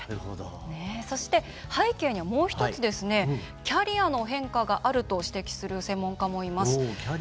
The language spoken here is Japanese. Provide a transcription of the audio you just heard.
そして、背景にはもう１つキャリアの変化があると指摘する専門家もいます。